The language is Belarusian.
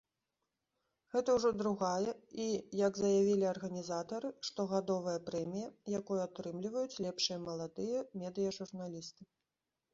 Гэта ўжо другая і, як заявілі арганізатары, штогадовая прэмія, якую атрымліваюць лепшыя маладыя медыяжурналісты.